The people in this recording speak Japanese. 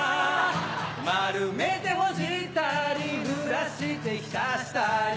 丸めてほじったりぬらして浸したり